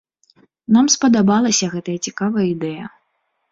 Нам спадабалася гэтая цікавая ідэя.